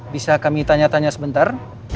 bisa kami tanya tanya sebentar